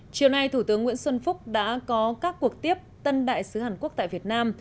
chiều nay thủ tướng nguyễn xuân phúc đã có các cuộc tiếp tân đại sứ hàn quốc tại việt nam